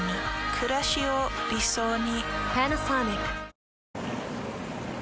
くらしを理想に。